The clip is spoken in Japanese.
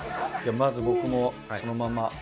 まず僕もそのまま。